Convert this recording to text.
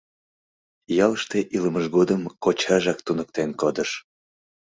Ялыште илымыж годым кочажак туныктен кодыш.